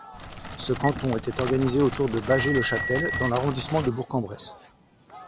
Ce canton était organisé autour de Bâgé-le-Châtel dans l'arrondissement de Bourg-en-Bresse.